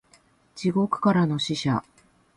地獄からの使者